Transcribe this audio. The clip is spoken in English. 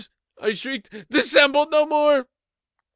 I shrieked, "dissemble no more!